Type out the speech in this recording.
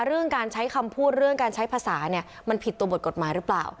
เรื่องการใช้คำพูดเรื่องการใช้ภาษาเนี่ยมันผิดตัวบทกฎหมายหรือเปล่า